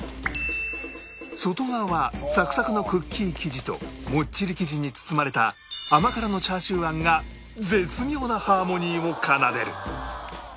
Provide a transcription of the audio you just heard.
外側はサクサクのクッキー生地ともっちり生地に包まれた甘辛のチャーシュー餡が絶妙なハーモニーを奏でる